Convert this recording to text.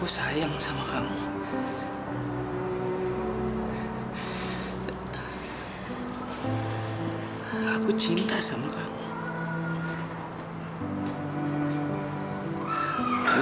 sampai jumpa di video selanjutnya